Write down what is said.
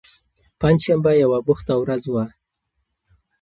پنجشنبه یوه بوخته ورځ وه.